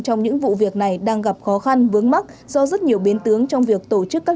trong những vụ việc này đang gặp khó khăn vướng mắt do rất nhiều biến tướng trong việc tổ chức các